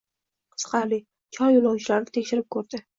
Qiziqarli! Chol yo'lovchilarni tekshirib ko'rdi